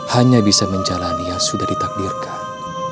hanya bisa menjalani yang sudah ditakdirkan